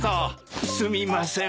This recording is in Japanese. すみません。